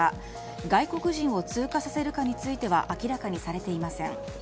外国人を通過させるかについては明らかにされていません。